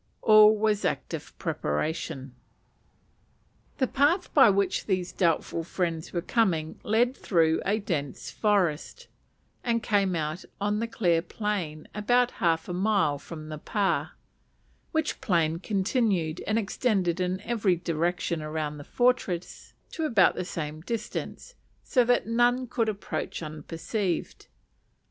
All was active preparation. The path by which these doubtful friends were coming led through a dense forest, and came out on the clear plain about half a mile from the pa; which plain continued and extended in every direction around the fortress to about the same distance, so that none could approach unperceived.